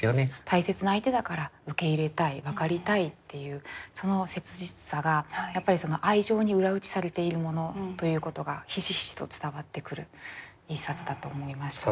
大切な相手だから受け入れたい分かりたいっていうその切実さが愛情に裏打ちされているものということがひしひしと伝わってくる一冊だと思いました。